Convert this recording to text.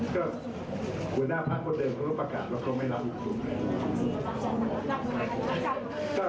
ก็คุณหน้าพระพ่อเดิมเขาก็ประกาศแล้วเขาไม่รับอุทธิ์อุทธิ์